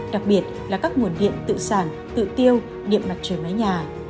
đặc biệt là các nguồn điện tự sản tự tiêu điện mặt trời mái nhà